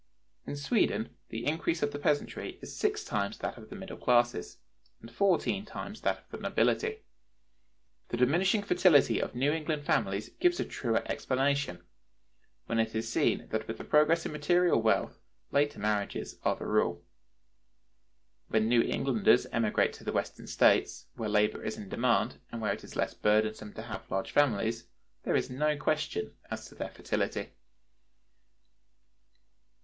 (122) In Sweden the increase of the peasantry is six times that of the middle classes, and fourteen times that of the nobility. The diminishing fertility of New England families gives a truer explanation, when it is seen that with the progress in material wealth later marriages are the rule. When New Englanders emigrate to the Western States, where labor is in demand and where it is less burdensome to have large families, there is no question as to their fertility.